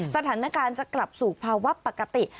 สถานการณ์จะกลับสู่ภาวะปกติ